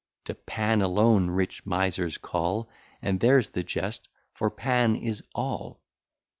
To Pan alone rich misers call; And there's the jest, for Pan is ALL.